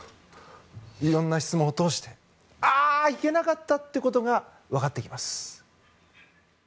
いろんな質問を通してああ、いけなかったということが分かってきます。